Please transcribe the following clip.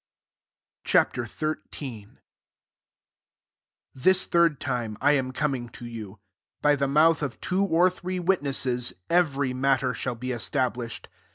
Ch. XIII. 1 This third time, am coming to yeu. By the nouth of two or three witnes ies, every matter shall be estab ished.